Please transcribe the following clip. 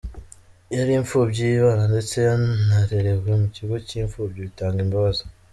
Yari imfubyi yibana ndetse yanarerewe mu kigo cy’ imfubyi bitaga ’Imbabazi’.